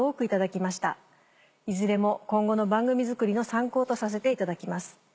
いずれも今後の番組作りの参考とさせていただきます。